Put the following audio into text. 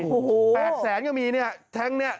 โอ้โฮก็มีเนี่ยแท้งนี้